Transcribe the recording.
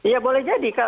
ya boleh jadi